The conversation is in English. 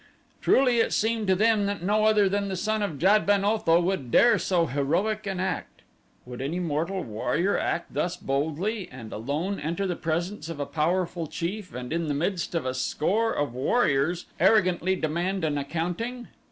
Truly it seemed to them that no other than the son of Jad ben Otho would dare so heroic an act. Would any mortal warrior act thus boldly, and alone enter the presence of a powerful chief and, in the midst of a score of warriors, arrogantly demand an accounting?